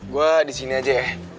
gue disini aja ya